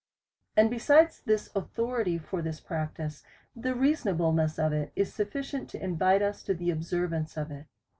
And besides this authority for this practice, the reasonableness of it is sufficient to invite us to the observance of it.